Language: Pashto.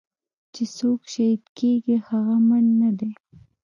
چې سوک شهيد کيګي هغه مړ نه دې.